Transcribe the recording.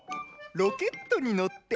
ロケットにのって！